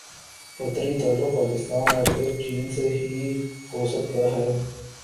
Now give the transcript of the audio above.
فطری تعلق پاکستان اور پھر چین سے ہی ہو سکتا ہے۔